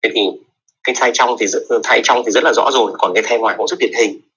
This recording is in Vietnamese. thế thì cái thai trong thì rất là rõ rồi còn cái thai ngoài cũng rất điện hình